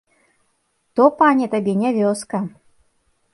То, пане, табе не вёска!